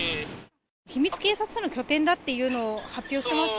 秘密警察署の拠点だっていうのを発表してまして。